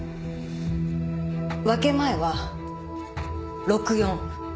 分け前は６：４。